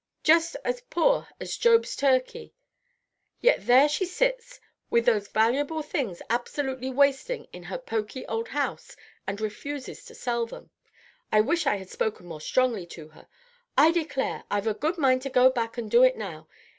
She's as poor as Job's turkey; yet there she sits, with those valuable things absolutely wasting in her poky old house, and refuses to sell them. I wish I had spoken more strongly to her! I declare, I've a good mind to go back and do it now.